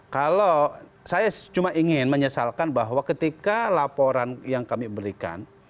kalau saya cuma ingin menyesalkan bahwa ketika laporan yang kami berikan